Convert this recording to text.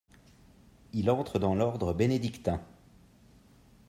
Il entre dans l'ordre bénédictin.